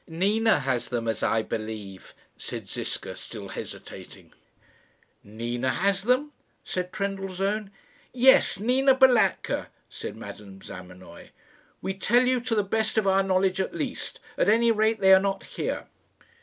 "Nina has them, as I believe," said Ziska, still hesitating. "Nina has them!" said Trendellsohn. "Yes; Nina Balatka," said Madame Zamenoy. "We tell you, to the best of our knowledge at least. At any rate, they are not here."